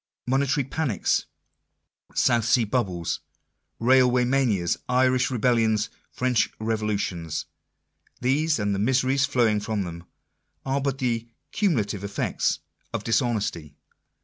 Monetary panics, South Sea bubbles, Railway manias, Irish rebellions, French revolu tions, — these, and the miseries flowing from them, are but the cumulative effects of dishonesty.